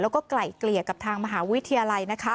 แล้วก็ไกล่เกลี่ยกับทางมหาวิทยาลัยนะคะ